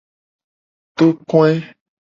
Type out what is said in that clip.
Tokoe.